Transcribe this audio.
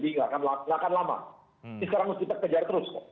ini sekarang harus kita kejar terus